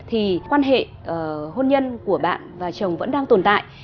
thì quan hệ hôn nhân của bạn và chồng vẫn đang tồn tại